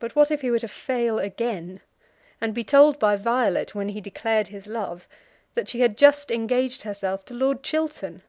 But what if he were to fail again, and be told by Violet, when he declared his love, that she had just engaged herself to Lord Chiltern!